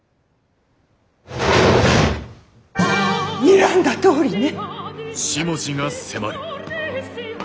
にらんだとおりね。